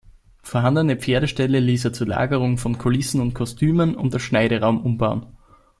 Vorhandene Pferdeställe ließ er zur Lagerung von Kulissen und Kostümen und als Schneideraum umbauen.